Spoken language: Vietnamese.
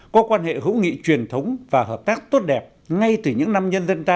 có quan hệ hữu nghị truyền thống và hợp tác tốt đẹp ngay từ những năm nhân dân ta